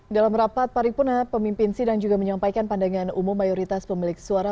dalam rapat paripurna pemimpin sidang juga menyampaikan pandangan umum mayoritas pemilik suara